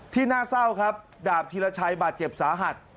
น่าเศร้าครับดาบธีรชัยบาดเจ็บสาหัส